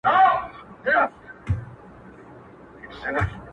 زه به نه یم ته به یې باغ به سمسور وي.!